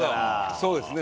そうですね。